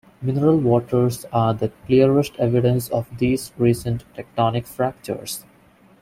Mineral waters are the clearest evidence of these recent tectonic fractures.